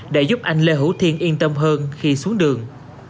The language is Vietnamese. đã giúp anh lê hữu thiên yên tâm hơn khi xuống đường